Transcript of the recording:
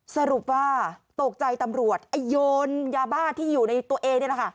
สรุปว่าตกใจตำรวจโยนยาบ้าที่อยู่ในตัวเองนี่แหละค่ะ